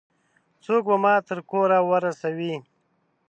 څوک به ما تر کوره ورسوي؟